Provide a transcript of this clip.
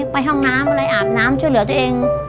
ไปห้องน้ำอะไรอาบน้ำช่วยเหลือตัวเอง